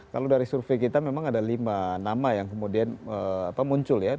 kalau dari survei kita memang ada lima nama yang kemudian muncul ya